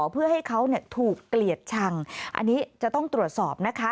เพื่อให้เขาถูกเกลียดชังอันนี้จะต้องตรวจสอบนะคะ